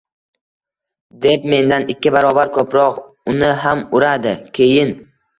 — deb mendan ikki barobar ko'proq uni ham uradi. Keyin: